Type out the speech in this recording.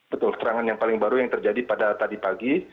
betul serangan yang paling baru yang terjadi pada tadi pagi